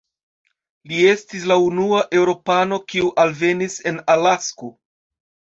Li estis la unua eŭropano, kiu alvenis en Alasko.